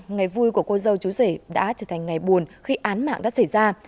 ngày vui của cô dâu chú rể đã trở thành ngày buồn khi án mạng đã xảy ra